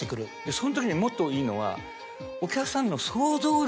そのときにもっといいのが。